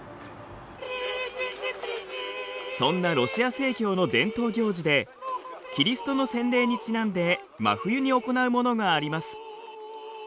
そんなロシア正教の伝統行事でキリストの洗礼にちなんで真冬に行うものがあります。